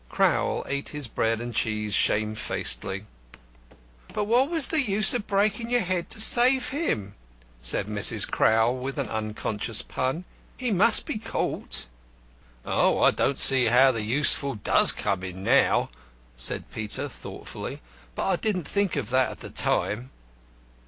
Crowl ate his bread and cheese shamefacedly. "But what was the use of breaking your head to save him?" said Mrs. Crowl, with an unconscious pun. "He must be caught." "Ah, I don't see how the Useful does come in, now," said Peter, thoughtfully. "But I didn't think of that at the time."